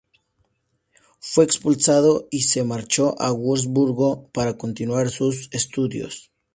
Fue expulsado y se marchó a Wurzburgo para continuar sus estudios.